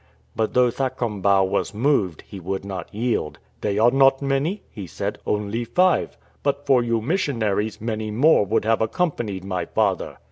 But though Thakombau was moved, he would not yield. " They are not many,"' he said, " only five. But for you missionaries, many more would have accompanied my father."